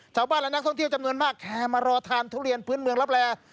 ชาวบ้านและนักท่องเที่ยวจำนวนมากแห่มารอทานทุเรียนพื้นเมืองรับแร่